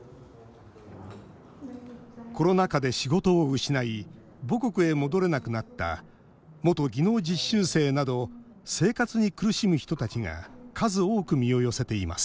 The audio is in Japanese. コロナ禍で仕事を失い母国へ戻れなくなった元技能実習生など生活に苦しむ人たちが数多く身を寄せています